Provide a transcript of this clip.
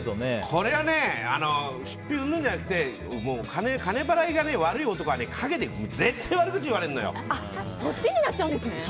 これは出費うんぬんじゃなくて金払いが悪い男はそっちになっちゃうんですね。